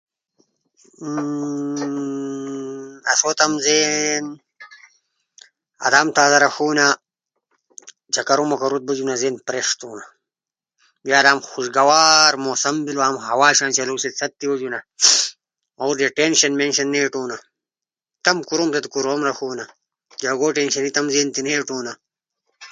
اسو تمو زین ادامو تازہ راݜونا کی اسئ گؤڈ بازار کئ دور بئ او اسئ زین تازہ او پرسکون بئ